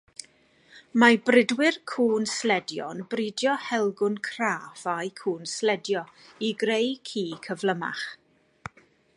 Mae bridwyr cŵn sledio'n bridio helgwn craff â'u cŵn sledio i greu ci cyflymach.